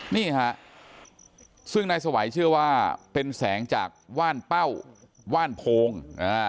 นี่ฮะซึ่งนายสวัยเชื่อว่าเป็นแสงจากว่านเป้าว่านโพง